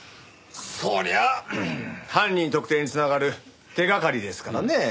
そりゃあ犯人特定に繋がる手掛かりですからね。